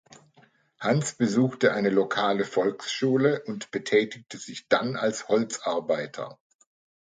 Hans besuchte eine lokale Volksschule und betätigte sich dann als Holzarbeiter.